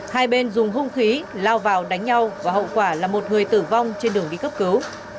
hai bên dùng hung khí lao vào đánh nhau và hậu quả là một người tử vong trên đường đi cấp cứu